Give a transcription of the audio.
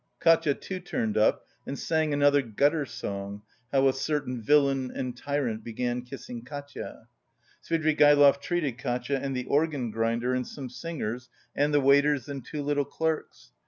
Katia too turned up and sang another gutter song, how a certain "villain and tyrant," "began kissing Katia." Svidrigaïlov treated Katia and the organ grinder and some singers and the waiters and two little clerks.